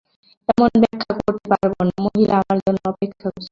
এখন ব্যাখ্যা করতে পারব না, মহিলা আমার জন্য অপেক্ষা করছে।